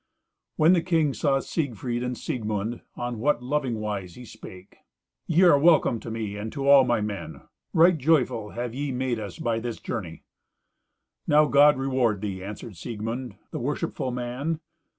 When the king saw Siegfried and Siegmund, on what loving wise he spake! "Ye are welcome to me and to all my men. Right joyful have ye made us by this journey." "Now God reward thee," answered Siegmund, the worshipful man.